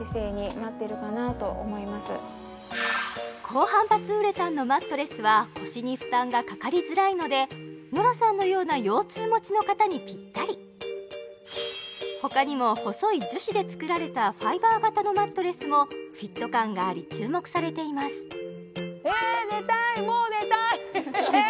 高反発ウレタンのマットレスは腰に負担がかかりづらいのでノラさんのような腰痛持ちの方にピッタリほかにも細い樹脂で作られたファイバー型のマットレスもフィット感があり注目されていますえ寝たいもう寝たい！